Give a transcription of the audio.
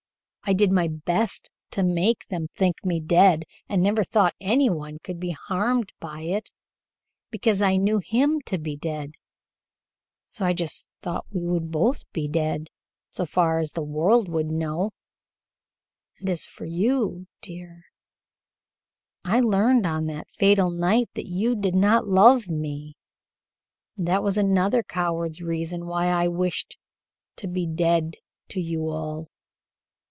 I did my best to make them think me dead, and never thought any one could be harmed by it, because I knew him to be dead; so I just thought we would both be dead so far as the world would know, and as for you, dear, I learned on that fatal night that you did not love me and that was another coward's reason why I wished to be dead to you all."